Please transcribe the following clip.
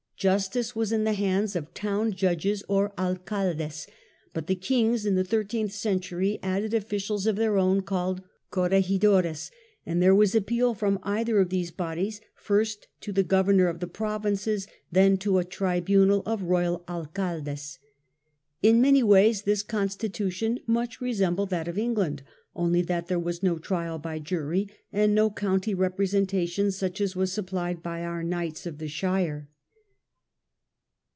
Justice was in the hands of the town judges or Alcaldes, but the Kings in the thirteenth century added officials of their own called Corrcgidores, and there was appeal from either of these bodies, first to the Governors of the Provinces, then to a Tribunal of Boyal Alcaldes. In many ways this constitution much re sembled that of England ; only that there was no trial by jury, and no county representation such as was supplied by our Knights of the Shire.